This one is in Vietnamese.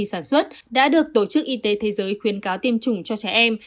vì sản xuất đã được tổ chức y tế thế giới khuyên cáo tiêm chủng cho trẻ em